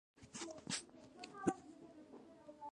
ازادي راډیو د د ښځو حقونه لپاره د مرستو پروګرامونه معرفي کړي.